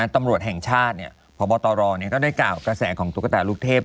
ตำรวจแห่งชาติพบตรก็ได้กล่าวกระแสของตุ๊กตาลูกเทพ